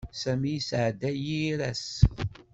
Sami yesɛedda yir ass.